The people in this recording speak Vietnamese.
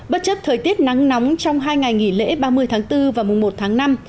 bất chấp thời tiết nắng nóng trong hai ngày nghỉ lễ ba mươi tháng bốn và mùng một tháng năm